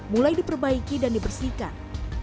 mulai diperbaiki dan dibersihkan